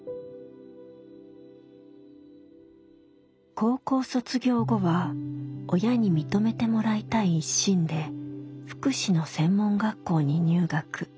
高校卒業後は親に認めてもらいたい一心で福祉の専門学校に入学。